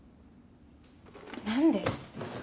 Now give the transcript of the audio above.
何で？